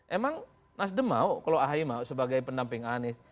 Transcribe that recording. emang nasdem mau kalau ahy mau sebagai pendamping anies